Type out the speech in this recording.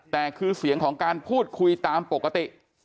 แต่คือเสียงของการพูดคุยตามปกติ